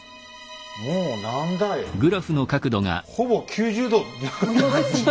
もう何だい！